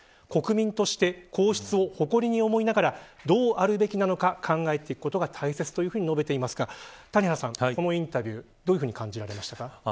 国民として皇室を誇りに思いながらどうあるべきなのか考えていくことが大切と述べていますが谷原さん、このインタビューどういうふうに感じられましたか。